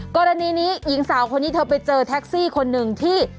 กรณีนี้หญิงสาวคนนี้เธอไปเจอแท็กซี่คนหนึ่งที่